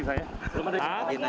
tanya pak presiden